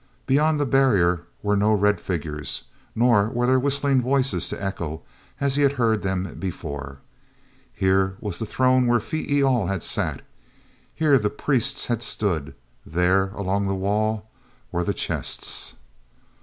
Beyond the barrier were no red figures, nor were there whistling voices to echo as he had heard them before. Here was the throne where Phee e al had sat; here the priests had stood; there, along the wall, were the chests.